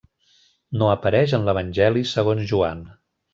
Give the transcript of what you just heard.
No apareix en l'Evangeli segons Joan.